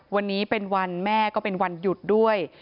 วันนี้เป็นวันแม่ก็เป็นวันหยุดด้วย